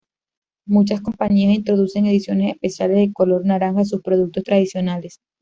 Muchas compañías introducen ediciones especiales de color naranja en sus productos tradicionales.